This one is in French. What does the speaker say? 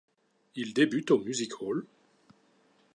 Il débute au music-hall.